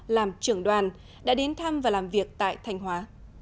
làm trưởng đoàn đã đến thăm và làm việc tại thanh hóa